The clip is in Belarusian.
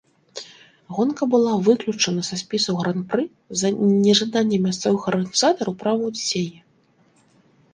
Гонка была выключана са спісаў гран-пры з-за нежадання мясцовых арганізатараў праводзіць яе.